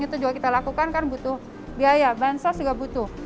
itu juga kita lakukan kan butuh biaya bansos juga butuh